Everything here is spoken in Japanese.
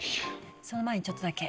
その前にちょっとだけ。